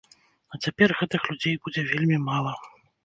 А цяпер гэтых людзей будзе вельмі мала.